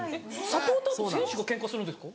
サポーターと選手がケンカするんですか？